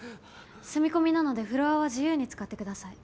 住み込みなのでフロアは自由に使ってください。